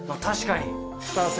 確かに。